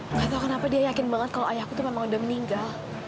nggak tahu kenapa dia yakin banget kalau ayahku itu memang udah meninggal